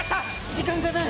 時間がない！